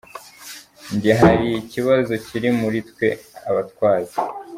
Jye hari ikibazo kiri muri twe abatwaza.